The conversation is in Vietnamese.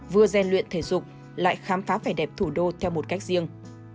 vừa gian luyện thể dục lại khám phá vẻ đẹp thủ đô theo một cách riêng